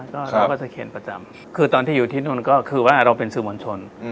ก็เราก็จะเขียนประจำคือตอนที่อยู่ที่นู่นก็คือว่าเราเป็นสื่อมวลชน